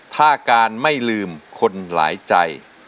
ถ้าการไม่ลืมคนหลายใจ